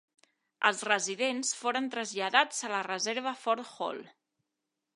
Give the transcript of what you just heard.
Els residents foren traslladats a la reserva Fort Hall.